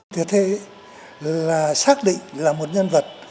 thiệt thê là xác định là một nhân vật